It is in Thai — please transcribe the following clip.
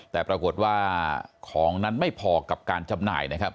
แต่ปรากฏว่าของนั้นไม่พอกับการจำหน่ายนะครับ